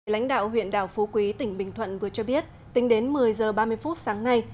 lãnh đạo huyện đảo phú quý tỉnh bình thuận vừa cho biết tính đến một mươi h ba mươi phút sáng nay